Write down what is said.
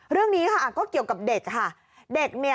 เรื่องนี้ค่ะก็เกี่ยวกับเด็กค่ะ